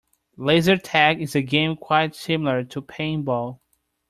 Laser tag is a game quite similar to paintball.